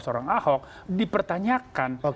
seorang ahok dipertanyakan